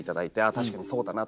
確かにそうだなと。